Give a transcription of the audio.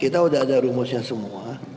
kita sudah ada rumusnya semua